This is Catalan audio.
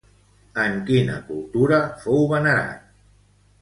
En quina cultura fou venerat?